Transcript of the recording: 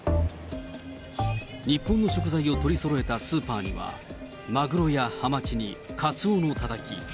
日本の食材を取りそろえたスーパーには、マグロやハマチにカツオのたたき。